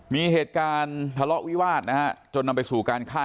มีเหตุการณ์ทะเลาะวิวาสนะฮะจนนำไปสู่การฆ่า